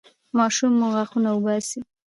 ماشوم مو غاښونه وباسي؟